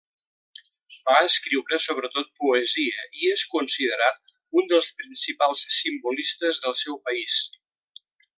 Va escriure sobretot poesia i és considerat un dels principals simbolistes del seu país.